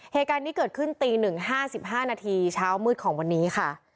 เหตุการณ์นี้เกิดขึ้นตี๑๕๕นาทีเช้ามืดของวันนี้ค่ะ